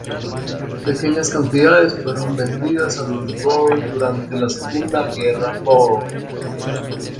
Pequeñas cantidades fueron vendidas a los bóer durante la Segunda Guerra Bóer.